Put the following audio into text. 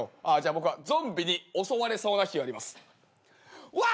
僕はゾンビに襲われそうな人やります。わ！